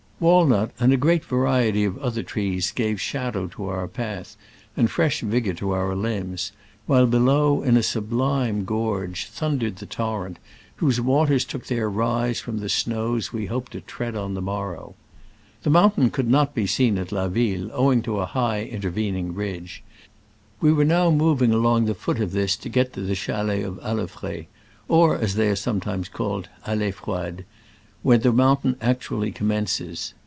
Walnut and a great variety of other trees gave shadow to our path and fresh vigor to our limbs, while below, in a sublime gorge, thundered the torrent, whose waters took their rise from the snows we hoped to tread on the morrow. The mountain could not be seen at La Ville, owing to a high intervening ridge : we were now moving along the foot of this to get to the chalets of Ale fred — or, as they are sometimes called, A16froide — where the mountain actually commences.